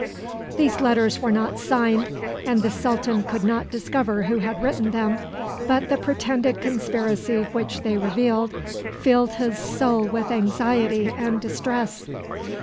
These letters were not signed, and the sultan could not discover who had written them, but the pretended conspiracy which they revealed filled his soul with anxiety and distress.